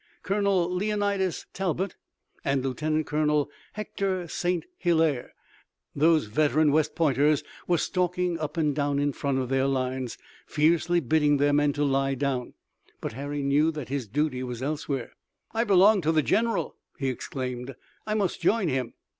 Colonel Leonidas Talbot and Lieutenant Colonel Hector St. Hilaire, those veteran West Pointers, were stalking up and down in front of their lines, fiercely bidding their men to lie down. But Harry knew that his duty was elsewhere. "I belong to the general!" he exclaimed. "I must join him!"